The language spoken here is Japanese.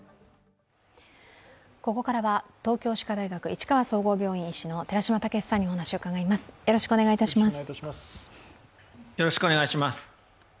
ここからは東京歯科大学市川総合病院医師の寺嶋毅さんにお話を伺います。